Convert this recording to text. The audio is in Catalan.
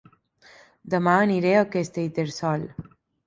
Dema aniré a Castellterçol